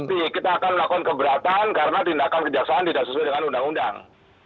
nanti kita akan melakukan keberatan karena tindakan kejaksaan tidak sesuai dengan undang undang